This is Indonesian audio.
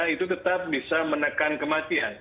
itu tetap bisa menekan kematian